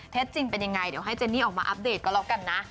จริงเป็นยังไงเดี๋ยวให้เจนนี่ออกมาอัปเดตก็แล้วกันนะ